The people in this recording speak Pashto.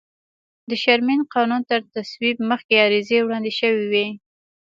د شرمن قانون تر تصویب مخکې عریضې وړاندې شوې وې.